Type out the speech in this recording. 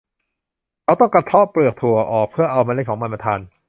เขาต้องต้องกระเทาะเปลือกถั่วออก เพื่อเอาเมล็ดของมันมาทาน